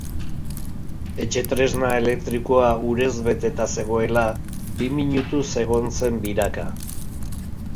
Etxetresna elektrikoa urez beteta zegoela, bi minutuz egon zen biraka.